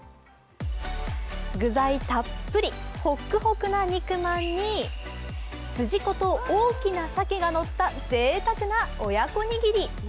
具材たっぷり、ほっくほくな肉まんに、すじこと大きなさけがのったぜいたくな親子握り。